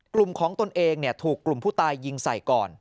กลุ่มของตนเองถูกกลุ่มผู้ตายยิงใส่ก่อน